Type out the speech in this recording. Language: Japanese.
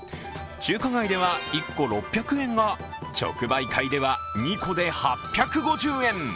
中華街では１個６００円が、直売会では２個で８５０円。